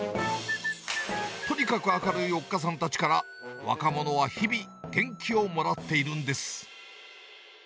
とにかく明るいおっかさんたちから、若者は日々、元気をもらっているんです。